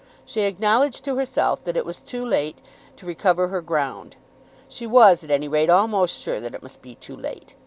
She acknowledged to herself that it was too late to recover her ground. She was, at any rate, almost sure that it must be too late.